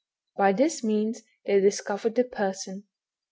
By this means they dis covered the person.